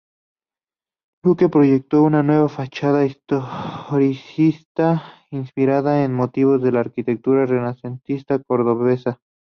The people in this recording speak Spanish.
Luque proyectó una nueva fachada historicista inspirada en motivos de la arquitectura renacentista cordobesa.